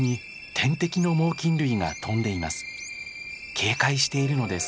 警戒しているのです。